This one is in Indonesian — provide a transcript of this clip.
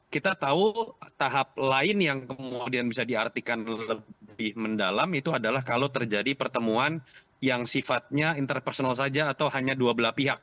kita tahu tahap lain yang kemudian bisa diartikan lebih mendalam itu adalah kalau terjadi pertemuan yang sifatnya interpersonal saja atau hanya dua belah pihak